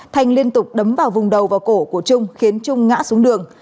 thanh liên tục đấm vào vùng đầu và cổ của trung khiến trung ngã xuống đường